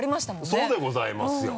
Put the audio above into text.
そうでございますよ。